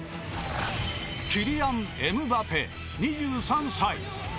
キリアン・エムバペ、２３歳。